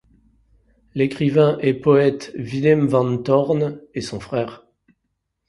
L'écrivain et poète Willem van Toorn est son frère.